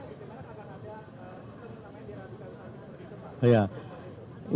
kita bisa namanya di radikalisme seperti itu pak